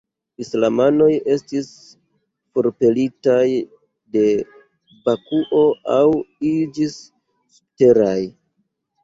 Islamanoj estis forpelitaj de Bakuo, aŭ iĝis subteraj.